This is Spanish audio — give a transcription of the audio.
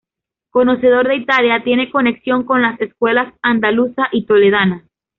Conocedor de Italia, tiene conexión con las escuelas andaluza y toledana.